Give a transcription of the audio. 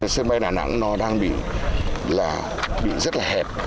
sân bay đà nẵng đang bị rất hẹp